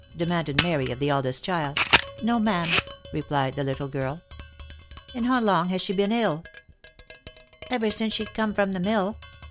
demanded Mary of the eldest child. " No ma'am," replied the little girl. " And how long has she been ill V " Ever since she com'd from the mill."